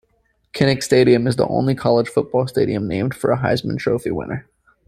Kinnick Stadium is the only college football stadium named for a Heisman Trophy winner.